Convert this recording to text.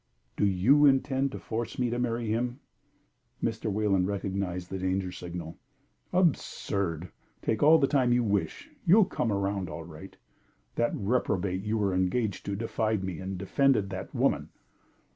"Do you intend to force me to marry him?" Mr. Wayland recognized the danger signal. "Absurd! Take all the time you wish; you'll come around all right. That reprobate you were engaged to defied me and defended that woman."